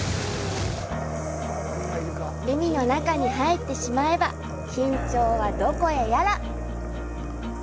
海の中に入ってしまえば緊張はどこへやら。